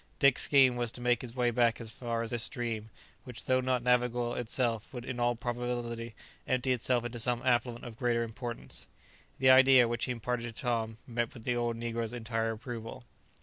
Dick's scheme was to make his way back as far as this stream, which though not navigable itself would in all probability empty itself into some affluent of greater importance. The idea, which he imparted to Tom, met with the old negro's entire approval.